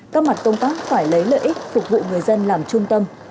các mặt công tác phải lấy lợi ích phục vụ người dân làm trung tâm